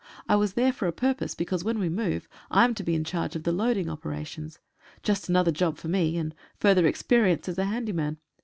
I was there for a purpose, because when we move. I am to be in charge of the loading operations. Just another job for me, and further experience as a handyman.